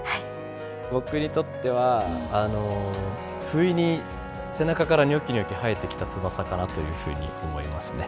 僕にとってはふいに背中からにょきにょき生えてきた翼かなというふうに思いますね。